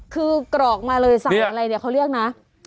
คือกรอกมาเลยใส่อะไรเนี่ยเขาเรียกนะ